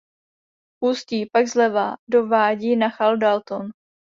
Ústí pak zleva do vádí Nachal Dalton.